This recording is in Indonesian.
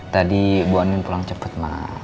tadi bu anin pulang cepet mak